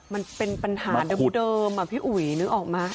มันเป็นปัญหาเดิมอะพี่อุ๋ยนึกออกไหม